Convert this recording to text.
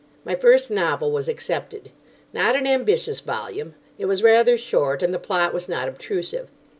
My first novel was accepted. Not an ambitious volume. It was rather short, and the plot was not obtrusive.